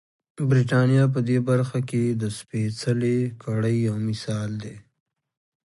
برېټانیا په دې برخه کې د سپېڅلې کړۍ یو مثال دی.